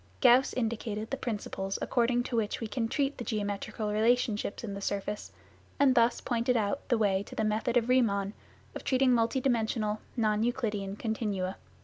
Gauss indicated the principles according to which we can treat the geometrical relationships in the surface, and thus pointed out the way to the method of Riemman of treating multi dimensional, non Euclidean continuum.